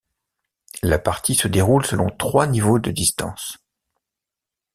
La partie se déroule selon trois niveaux de distance.